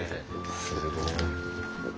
すごい。